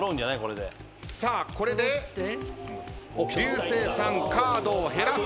さあこれで竜星さんカードを減らす。